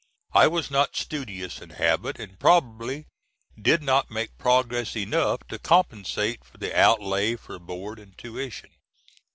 I was not studious in habit, and probably did not make progress enough to compensate for the outlay for board and tuition.